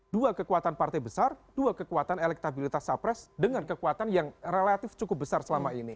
dua kekuatan partai besar dua kekuatan elektabilitas capres dengan kekuatan yang relatif cukup besar selama ini